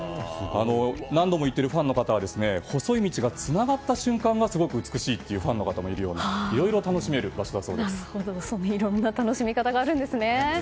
何度も行っているファンの方は細い道がつながった瞬間がすごく美しいというファンもいるようでいろんな楽しみ方があるんですね。